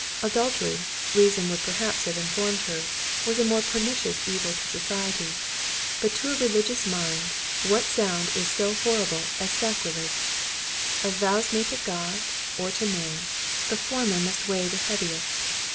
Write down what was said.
Adultery, reason would perhaps have informed her, was a more pernicious evil to society; but to a religious mind, what sound is so horrible as sacrilege? Of vows made to God or to man, the former must weigh the heaviest.